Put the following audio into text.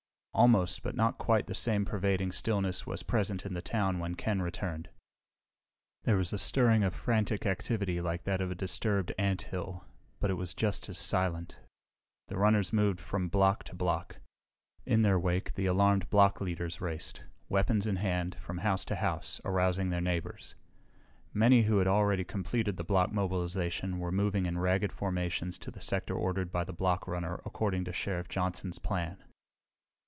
Almost, but not quite the same pervading stillness was present in the town when Ken returned. There was a stirring of frantic activity like that of a disturbed anthill, but it was just as silent. The runners moved from block to block. In their wake the alarmed block leaders raced, weapons in hand, from house to house, arousing their neighbors. Many, who had already completed the block mobilization, were moving in ragged formations to the sector ordered by the block runner according to Sheriff Johnson's plan.